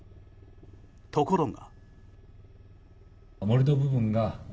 ところが。